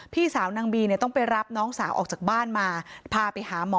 พี่สาวนางบีเนี่ยต้องไปรับน้องสาวออกจากบ้านมาพาไปหาหมอ